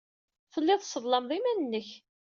Telliḍ tesseḍlameḍ iman-nnek.